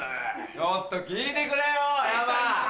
ちょっと聞いてくれよヤマ。